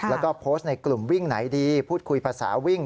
แล้วก็โพสต์ในกลุ่มวิ่งไหนดีพูดคุยภาษาวิ่ง